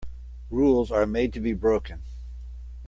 Rules are made to be broken.